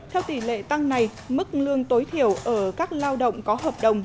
theo tỷ lệ tăng này mức lương tối thiểu ở các lao động có hợp đồng